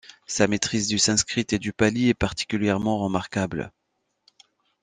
Sa maîtrise du sanskrit et du pali est particulièrement remarquable.